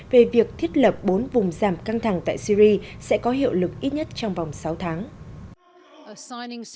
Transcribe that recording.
về việc thiết lập bốn vùng giảm căng thẳng tại syri sẽ có hiệu lực ít nhất trong vòng sáu tháng